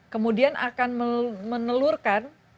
kemudian akan menelurkan